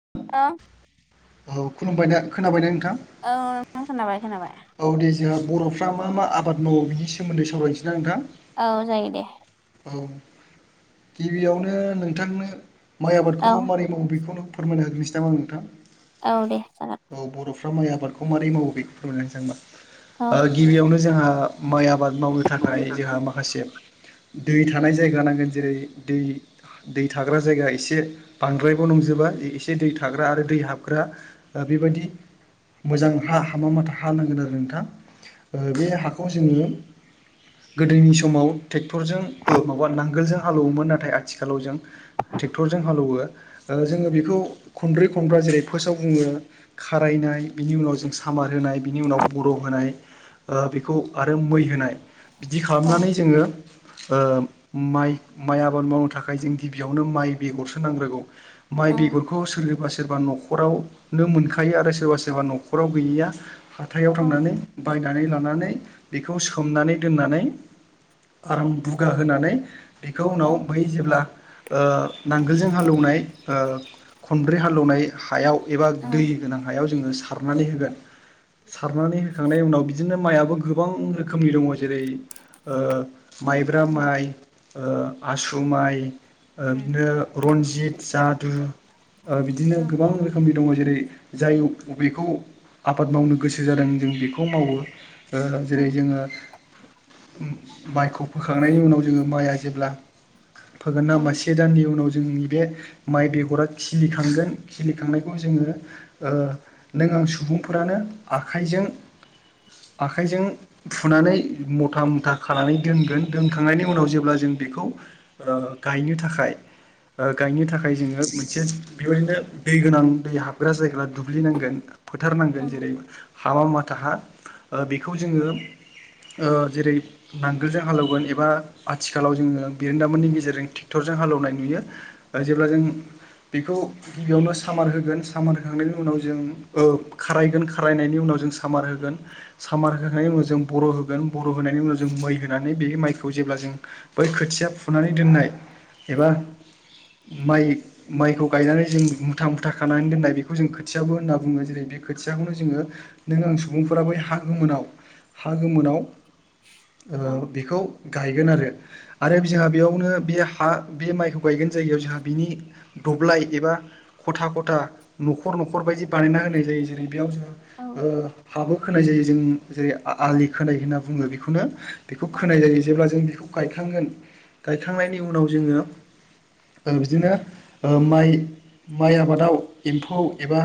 [unintelligible] औ खुलुमबाय नोंथां खोनाबायना नोंथां? औ नोंथां खोनाबाय खोनाबाय। औ दे जोंहा बर'फ्रा मा मा आबाद मावो बिनि सोमोन्दै सावरायनोसैदां नोंथां? औ जायो दे। औ गिबियावनो नोंथांनो माइ आबादखौ औ मारै मावो बेखौनो फोरमायना होग्रोसै दा मा नोंथां। औ दे औ जागोन। बर'फ्रा माइ आबादखौ मारै मावो बेखौ फोरमायना होनोसै आं होनबा औ ओ गिबियावनो जोंहा माइ आबाद मावनो थाखाय जोंहा माखासे दै थानाय जायगा नांगोन जेरै दै दै थाग्रा जायगा एसे बांद्रायबो नंजोबा एसे दै थाग्रा आरो दै हाबग्रा बेबायदि मोजां हा हामा माथा हा नांगोन आरो नोंथां ओ बे हाखौ जोङो गोदोनि समाव ट्रेक्टरजों ओ माबा नांगोलजों हालौवोमोन ना थाय आथिखालाव जों ट्रेक्टरजों हालएवो ओ जोङो बेखौ खनब्रै खनब्रा जेरै फासाव जोङो खारायनाय बिनि उनाव जों सामार होनाय बिनि उनाव बर' होनाय ओ बेखौ आरो मै होनाय बिदि औ खालामनानै जोङो ओ माइ माइ आबाद मावनो थाखाय जों गिबियावनो माइ बेगरसो नांग्रोगौ माइ औ बेगरखौ सोरोबा सोरबा न'खराव नो मोनखायो आरो सोरबा सोरबा न'खराव गैयैया हाथायाव औ थांनानै बायनानै लानानै बेखौ सोमनानै दोननानै आराम बुगा होनानै बेखौ औ उनाव बै जेब्ला ओ नांगोलजों हालएवनाय ओ खनब्रै हालएवनाय हायाव एबा औ दै गोनां हायाव जोङो सारनानै होगोन। सारनानै होखांनायनि उनाव बिदिनो माइआबो गोबां रोखोमनि दङ जेरै ओ माइब्रा उम माइ आसु माइ उम बिदिनो रन्जित जादु बिदिनो औ गोबां रोखोमनि दङ जेरै जाय बेखौ आबाद मावनो गोसो जादों जों बेखौ मावो। औ जेरै जोङो मायखौ फोखांनायनि उनाव जोङो माइआ जेब्ला फोगोन औ ना होमबा से दाननि उनाव जोंनि बे माइ बेगरा खिलिखांगोन खिलिखांनायखौ जोङो ओ नों आं सुबुं सुबुंफोरानो आखाइजों आखाइजों फुनानै मथा मथा खानानै दोनगोन। दोनखांनायनि उनाव जेब्ला जों बेखौ गायनो थाखाय गायनो थाखाय जोङो मोनसे बेबायदिनो दै गोनां दै हाबग्रा जायगा दुुब्लिनांगोन। औ फोथारनांगोन जेरै हाबा हा ओ बेखौ जोङो ओ जेरै नांगोलजों हालेवगोन एबा आथिखालाव जोङो बिरोंदामिननि गेजेरजों ट्रेक्टरजों हालेवनाय नुयो जेब्ला जों उ बेखौ गिबियावनो सामार होगोन सामार होखांनायनि उनाव जों ओ खारायगोन खारायनायनि उनाव सामार होगोन सामार होखांनायनि उनाव जों बर' होगोन बर' होनायनि उनाव जों मै होनानै बे माइखौ जेब्ला जों बै खोथिया फुनानै दोननाय एबा माइ माइखौ गायनानै जों मुथा मुथा खानानै दोननाय बेखौ जों खोथियाबो होनना बुङो जेरै बे खोथियाखौनो जोङो नों आं सुबुंफोरा बै हा गोमोनाव हा हा गोमोनाव औ ओ बेखौ गायगोन आरो आरो जोंहा बेयावनो बे हा बे माइखौ गायगोन जायगायाव जोंहा बिनि दब्लाय एबा खथा खथा न'खर न'खर बायदि बानायना होनाय जायो जेरै बेयाव जों औ ओ हाबो खोनाय जायो जों जेरै आलि खोनाय होनना बुङो बेखौनो। बेखौ औ खोनाय जायो जेब्ला जों बेखौ गायखांगोन गायखांनायनि उनाव जोङो बिदिनो माइ माइ आबादाव एम्फौ एबा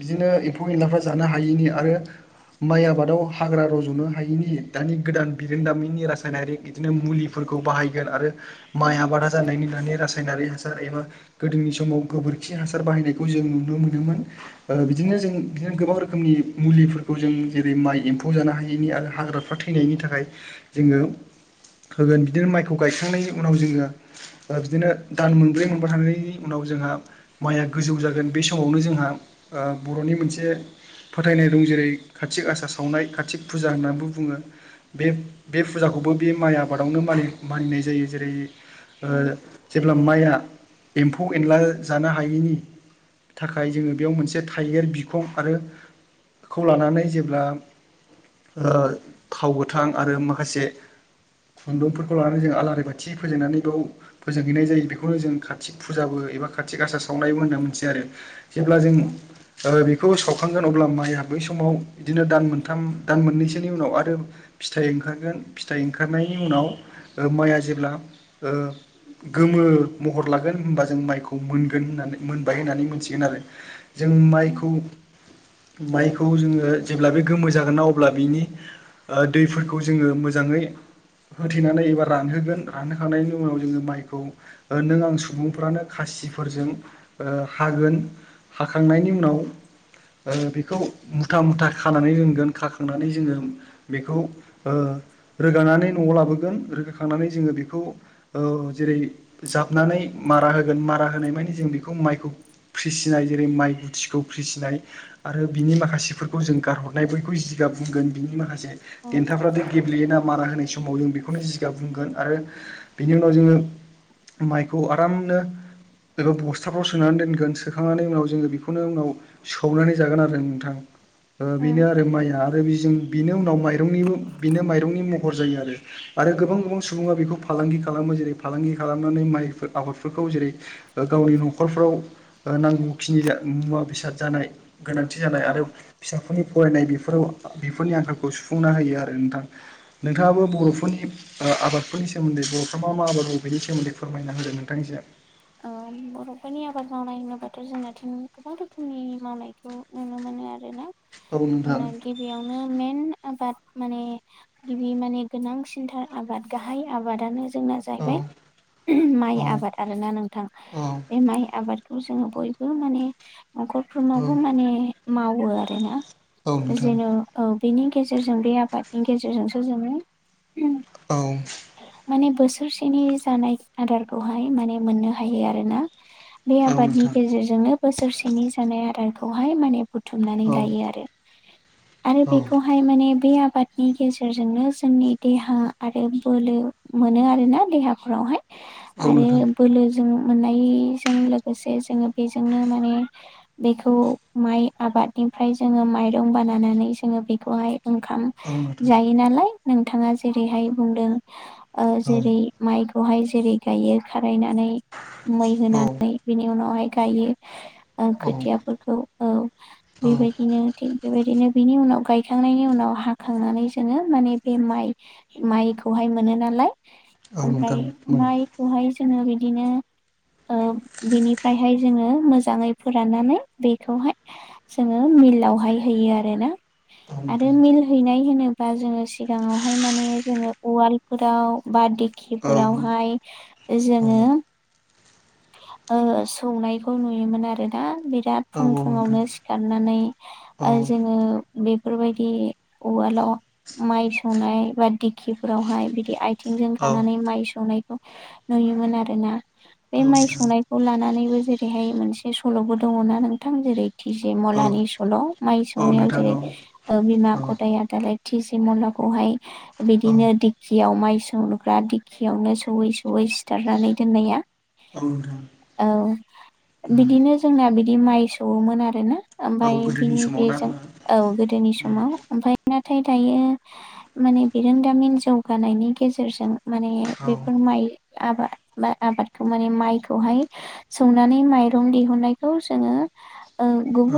बिदिनो एम्फौ एनलाफ्रा जानो हायैनि आरो माइ आबादाव हाग्रा रज'नो हायिनि दानि गोदान बिरोंदामिनि रासायनारि बिदिनो मुलिफोरखौ बाहायगोन आरो माइ औ आबादा जानायनि दानि रासायनारि हासार एबा गोदोनि समाव गोबोरखि हासार बाहायनायखौ जों नुनो मोनोमोन ओ बिदिनो बिदिनो जों बिदिनो गोबां रोखोमनि मुलिफोरखौ जों जेरै माइ एम्फौ जानो हायैनि आरो हाग्राफ्रा थै थैनायनि थाखाय जोङो होगोन बिदिनो माइखौ गायखांनायनि उनाव जोङो बिदिनो दान मोनब्रै मोनबा थानायनि उनाव जोंहा माइया गोजौ जागोन बे समावनो जोंहा ओ बर'नि मोनसे फोथायनाय दं जेरै काति गासा सावनाय काति फुजा होननानैबो बुङो। बे बे फुजाखौबो बे माइ आबादावनो मानि मानिनाय जायो जेरै ओ उम जेब्ला माइआ एम्फौ एनला जानो हायैनि थाखाय जोङो बेयाव मोनसे थाइगिर बिखं आरो खौ लानानै जेब्ला ओ थाव गोथां आरो माखासे खुन्दुंफोरखौ लानानै जों आलारि बाथि फोजोंनानै बेयाव फोजोंहैनाय जायो बेखौनो जों काति फुजाबो एबा खाथि गासा सावनायबो होनना मोनथियो आरो जेब्ला जों औ ओ बेखौ सावखांगोन अब्ला माइआ बै समाव बिदिनो दान मोनथाम दान मोननैसोनि उनाव आरो फिथाइ ओंखारगोन फिथाइ ओंखारनायनि उनाव माइआ जेब्ला़ ओ गोमो महर लागोन होनोमबा जों माइखौ मोनगोन होननानै मोनबाय होननानै मोनथिगोन आरो। जों उम माइखौ माइखौ जोङो जेब्ला बे गोमो जागोन ना अब्ला बिनि ओ दैफोरखौ जोङो मोजाङै होथेनानै एबा रानहोगोन रानहोखांनायनि उनाव जोङो माइखौ नों आं सुबुंफ्रानो खासि बासिफोरजों ओ हागोन हाखांनायनि उनाव ओ बेखौ मुथा मुथा खानानै रोंगोन खाखांनानै जोङो बेखौ ओ रोगानानै न'आव लाबोगोन रोगाखांनानै जोङो बेखौ ओ जे रै जाबनानै मारा होगोन मारा होनाय मानि जों बेखौ माइखौ फ्रिसिनाय जेरै माइ गुथिखौ फ्रिसिनाय आरो बिनि माखासेफोरखौ जों गारहरनाय बयखौबो जिगा गाब बुंगोन बिनि माखसे औ दन्थाफ्रादो गेब्लेयोना मारा होनाय समाव जों बेखौनो जिगाब बुंगोन आरो बेनि उनाव जोङो माइखौ आरामनो एबा बस्थाफ्राव सोनानै दोनगोन सोखांनानै उनाव जोङो बेखौनो उनाव सौनानै जागोन आरो नोंथां। ओ बेनो उम आरो माइआ आरो बिजों बिनि उनाव माइ यंनिबो बिनो माइरंनि महर जायो आरो आरो गोबां गोबां सुबुङा बेखौ फालांगि खालामो जेरै फालांगि खालामनानै माइफोर आबादफोरखौ जेरै गावनि न'खरफ्राव ओ नांगौखिनि नुवा वा बेसाद जानाय गोनांथि जानाय औ आरो फिसाफोरनि फरायनाय बेफोराव बेफोरनि आंखालखौ सु फुंना होयो आरो नोंथां नोंथाङाबो बर'फोरनि ओ आबादफोरनि सोमोन्दै बर'फ्रा मा मा आबाद मावफै बेनि सोमोन्दै फोरमायना होदों नोंथां एसे ओ बर'फोरनि आबाद मावनाय होनोबाथ' जोंनाथ' गोबां रोखोमनि मावनायखौ नुनो मोन नो आरोना औ नोंथां जोंना गिबियावनो मेन आबाद माने गिबि माने गोनांसिनथार आबाद गाहाय आबादानो जोंना औ जाहैबाय माइ औ आबाद आरोना नोंथां औ बे माइ आबाद खौ जोङो बयबो माने न'खरफोरनावबो औ माने मावो आरोना। औ नोंथां जेन' औ बेनि गेजेरजों बे आबादनि गेजेरजोंसो जोङो औ माने बोसोरसेनि जानाय आदारखौहाय माने मोननो हायो आरोना। बे औ आबादनि नोंथां गेजेरजोंनो बोसोरसेनि जानाय आदारखौहाय माने बु औ बुथुमनानै लायो आरो आरो औ बेखौहाय माने बे आ बादनि गेजेरजोंनो जोंनि देहा आरो बोलो मोनो आरोना देहाफोरावहाय औ आरो नोंथां बोलो जों मोननायजों लोगोसे जोङो बेजोंनो माने बेखौ माइ आब बादनिफ्राय जोङो माइरं बानायानानै जोङो बेखौहाय ओंखाम औ नोंथां जायो नालाय नोंथाङा जेरैहाय बुंदों ओ औ जेरै माइखौहाय जेरै गायो खारायनानै मै औ होनानै बिनि उनावहाय गायो ओ औ खोथियाफोरखौ औ औ बेबायदिनो थिग बेबायदिनो बिनि उनाव गायखांनायनि उनाव हाखांनानै जोङो माने बे माइ माइखौहाय मोनो नालाय औ नोंथां ओमफ्राय मोन माइखौहाय जोङो बिदिनो [inaudible] ओ बेनिफ्रायहाय जोङो मोजाङै फोराननानै बेखौहाय जोङो मिल लावहाय हैयो आरोना औ आरो नोंथां मिलियनहैनाय होनोब बा जोङो सिगाङावहाय माने जोङो उवालफोराव बा दि औ खिफोरावहाय औ जोङो ओ सौनायखौ नुयोमोन आरोना बि राद औ फुं नोंथां फुङावनो सिखारनानै औ ओ जोङो बेफोरबायदि उवालाव माइ सौनाय बा दिखिफोरावहाय बिदि आय थिंजों औ गानानै माइ सौनायखौ नुयोन आरोना बे माइ नोंथां सौनायखौ लानानै बो जेरैहाय मोनसे सल'बो दङ'ना नोंथां जेरै टिजि औ मलानि सल' माइ औ सौनायाव नोंथां औ जेरै ओ बिमा औ गदाया दालाय थिजि मलाखौहाय बिदिनो दिकियाव माइ सौग्रा दिखियावनो सौवै सौवै सिथारनानै दोननाया। औ नोंथां औ उम बिदिनो जोंना बिदि माइ सौवोमोन आरोना औ ओमफाय गोदोनि बिनि समाव ना बेजों होमबा औ गोदोनि उम समाव ओमफ्रायना थाय दायो माने बिरोंदामिन जौगानायनि गेजेरजों माने औ बेफोर माइ आबा बा आबाद माने माइखौहाय सौनानै माइरं दिहुननायखौ जोङो। ओ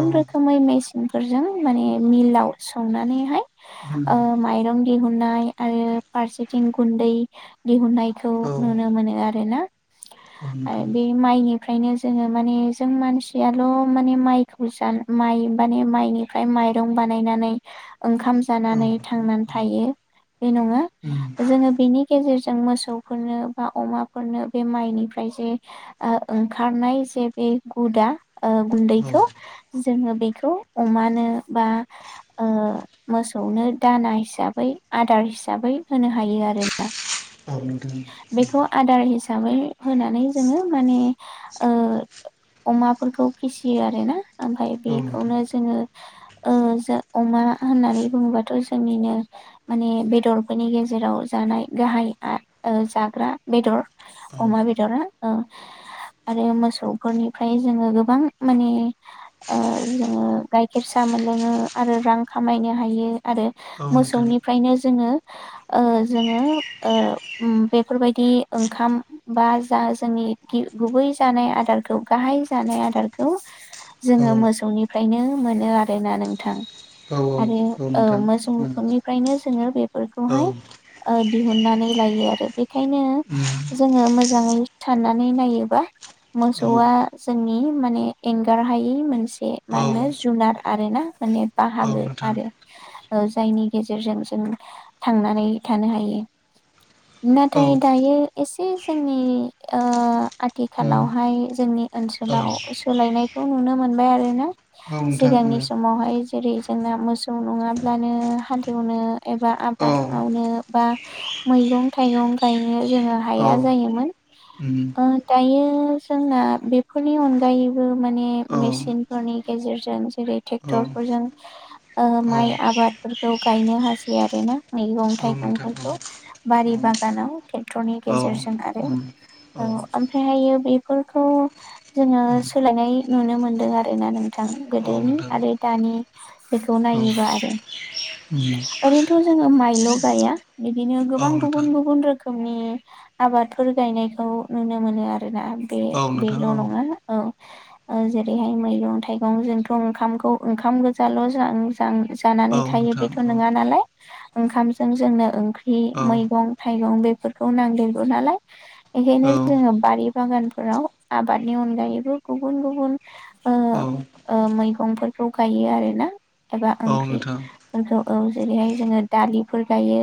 औ रोखोमै मेसिनफोरजों माने मिलाव सौनानैहाय। उम ओ माइरं दिहुनाय आरो फारसेथिं गुन्दै। दिहुननायखौ औ नुनो मोनो आर ना औ आरो नोंथां बे माइनि। ओमफ्रायनो जोङो माने जों मानसियाल' माने माइखौ ज माइ माने माइनिफ्राय मा। माइरं बानायनानै। ओंखाम औ नोंथां जानानै थांनानै औ थायो बे नङा उम जोङो बेनि गेजेरजों। जों मोसौफोरनो बा अमाफोरनो। बे माइनिफ्राय जे ओ ओंखारनाय जे बे गुदा। ओ औ गुन्दैखौ जोङो बेखौ अमानो बा। ओ मोसौनो दाना हिसाबै आदार हिसाबै होनो हायो आरो। आ नुदों। जामाय होनानै जोङो माने। ओ अमाफोरखौ फिसियो आरो ना। ओमफाय औ बेखौनो जोङो। ओ जो अमा होननानै बुङोबाथ' जोंनिनो माने बेदरफोरनि गेजेराव जों। जानाय गाहाय ओ जाग्रा बेदर अमा बेदरा ओ। आरो मोसौफोरनिफ्राय जोङो गोबां माने जोङो ओ गाइखेर सा। मोनलोङो आरो रां खामायनो हायो आरो औ नोंथां औ औ मोसौनिफ्रायनो जोङो। ओ जोङो ओ ओम बेफोरबायदि। ओंखाम बा जा जोंनि गुबै जानाय आदारखौ गाहाय जानाय आदारखौ। जोङो मोसौनिफ्रायनो मोनो आरोना नोंथां। औ। आरो औ नोंथां मोसौ उम मोखनिफ्रायनो जोङो औ बेफोरखौहाय उम ओ दिहुननानै। लायो आरो बेखायनो जोङो मोजाङै साननानै नायोबा। औ मोसौआ जोंनि माने एंगारहायि मोनसे औ मा होनो जुनार। आरो ना माने औ बाहागो नोंथां आरो। ओ जायनि गेजेरजों जों थांनानै थानो हायो। औ नाथाय दायो। एसे जोंनि उम ओआथिखालावहाय जोंनि औ ओनसोलाव सोलायनायखौ। बेखौ नुनो मोनबाय आरोना औ नोंथां उम सिगांनि समावहाय। जेरै जोंना मोसौ नङाब्लानो हल एऐवनो एबा औ आबाद मावनो बा। मैगं थाइगं गायनो जोङो औ हाया जायोमोन। उम ओ दायो जोंना बेफोरनि अनगायैबो माने औ मेसिनफोरनि गेजेर। गेजेरजों जेरै ट्रेक्टर फोरजों ओ औ माइ आबादफोरखौ गायनो हासायो आरो ना। मैगं औ नोंथां थाइगंफोरखौ औ बारि बागानाव ट्रेक्टरनि औ उम औ उम औ नोंथां औ उम औ नोंथां गेजेरजों औ आरो। नोंथां औ नोंथां औ ओमफ्रायहायो बेफोरखौ जोङो सोलायनाय नुनो मोनदों आरोना नों। नोंथां गोदोनि आरो दानि बेखौ नायोबा आरो। ओरैनोथ' जोङो माइल' गाया बिदिनो गोबां गुबुन गुबुन रोखोमनि। आबादफोर गायनायखौ नुनो मोनो आरोना बे बेल' नङा औ। ओ जेरैहाय मैगं थाइगं जोंथ' ओंखामखौ ओंखाम गोजाल' जा थां जानानै थायो। यो बेथ' नङा नालाय ओंखामजों जोंनो ओंख्रि मैगं थाइगं बेफोरखौ। नांदेरगौ नालाय बेखायनो जोङो बारि बागानफोराव आबादनि अनगायैबो गुब। गुबुन गुबुन ओ ओ मैगंफोरखौ गायो आरो ना। एबा ओंख्रि फोरखौ। औ जेरैहाय जोङो दालिफोर गायो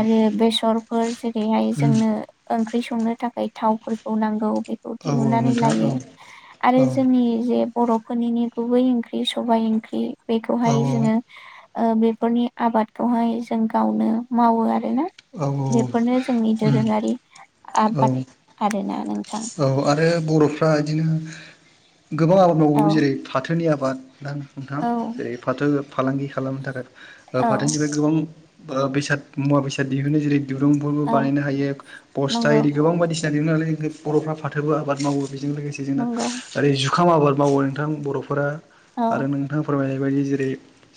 आरो बेसरफोर जेरै जेरैहाय जोंनो ओंख्रि संनो थाखाय थावफोरखौ नांगौ बेखौ दिहुननानै लायो। आरो जोंनि जे बर'फोरनिनो गुबै ओंख्रि सबाय ओंख्रि बेखौहाय जोङो ओ बेफोरनि आबादखौहाय जों गावनो मावो आरो ना। औ औ औ। बेफोरनो जोंनि दोरोङारि औ आबाद उम औ आरो ना नों औ आरो बर'फ्रा इदिनो गोबां आबाद मावो औ जेरै फाथोनि आबाद। दा नोंथा औ जेरै फाथो फालांगि खालामनो थाखाय ओ औ फाथोनिफ्राय गोबां बो बेसाद मुवा बेसाद दिहुनो जेरै दिरुंफोरबो औ बानायनो हायो बस्था नंगौ इदि गोबां बायदिसिना दिहुनो नालाय बर'फ्रा फाथोबो आबाद मावो। बेजों लोगोसे जोंना नंगौ ओरै जुखाम आबाद मावो नोंथां बर'फोरा औ आरो नोंथां फोरमायनाय बेबायदि जेरै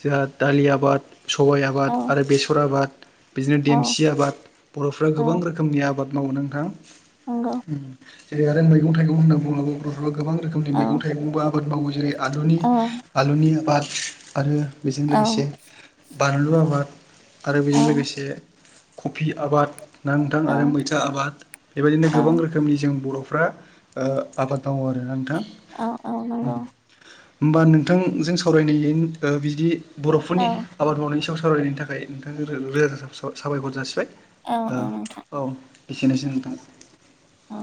जोंहा दालि आबाद, सबाय आबाद औ आरो बेसर आबाद। बिदिनो औ देमसि आबाद बर'फ्रा औ गोबां रोखोमनि आबाद मावो नोंथां। नंगौ। जेरै आरो मैगं थाइगं होन्ना बुङोबा बर'फ्रा गोबां रोखोमनि औ मैग थाइगंबो आबाद मावो जेरै आलुनि औ आलुनि आबाद आरो बेजों औ लोगोसे बानलु आबाद आरो बेजों लोगोसे कफि आबाद। ना नोंथां औ आरो मैथा आबाद बेबायदिनो गोबां रोखोमनि जों बर'फ्रा ओ आबाद मावो आरो ना औ औ नंगौ। होम्बा नोंथांजों सावरायनाय ओ बिदि औ बर'फोरनि आबाद मावनायनि सो सावरायनायनि थाखाय नोंथांजो रो-रोजा रोजा सा-साबायखर जासिबाय। औ औ नोंथां। ओ औ एसेनोसै नोंथां। औ।